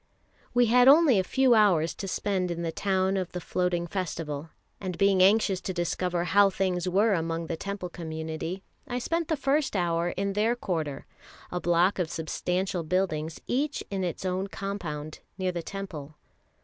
We had only a few hours to spend in the town of the Floating Festival; and being anxious to discover how things were among the Temple community, I spent the first hour in their quarter, a block of substantial buildings each in its own compound, near the Temple.